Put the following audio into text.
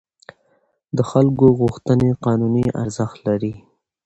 د خلکو غوښتنې قانوني ارزښت لري.